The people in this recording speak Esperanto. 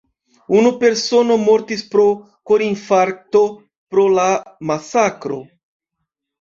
Unu persono mortis pro korinfarkto pro la masakro.